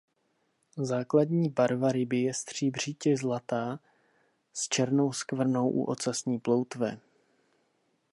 Základní barva ryby je stříbřitě zlatá s černou skvrnou u ocasní ploutve.